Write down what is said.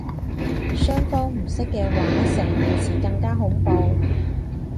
雙方唔識嘅話成件事更加恐怖